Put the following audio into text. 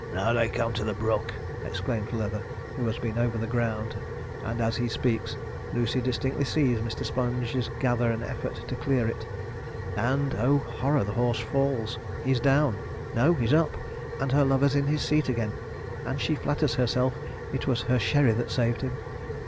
'Now they come to the brook!' exclaims Leather, who has been over the ground; and as he speaks, Lucy distinctly sees Mr. Sponge's gather an effort to clear it; and oh, horror! the horse falls he's down no, he's up! and her lover's in his seat again; and she flatters herself it was her sherry that saved him.